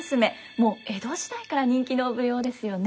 もう江戸時代から人気の舞踊ですよね。